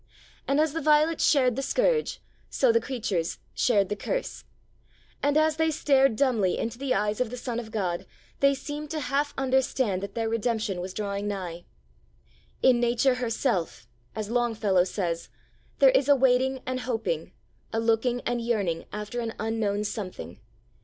And as the violets shared the scourge, so the creatures shared the curse. And as they stared dumbly into the eyes of the Son of God they seemed to half understand that their redemption was drawing nigh. 'In Nature herself,' as Longfellow says, 'there is a waiting and hoping, a looking and yearning, after an unknown something.